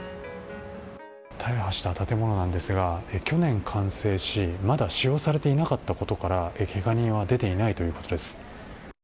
大破した建物なんですが去年、完成しまだ使用されていなかったことからけが人は出ていないということです。